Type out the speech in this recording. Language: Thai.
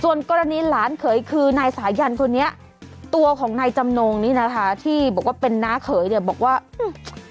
ส่วนกรณีหลานเขยคือนายสายันคนนี้ตัวของนายจำนงนี่นะคะที่บอกว่าเป็นน้าเขยเนี่ยบอกว่าอืม